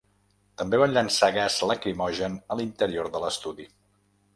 També van llençar gas lacrimogen a l’interior de l’estudi.